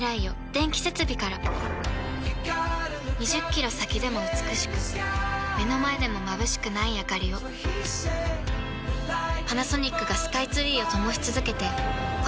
２０キロ先でも美しく目の前でもまぶしくないあかりをパナソニックがスカイツリーを灯し続けて今年で１０年